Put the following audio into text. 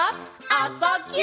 「あ・そ・ぎゅ」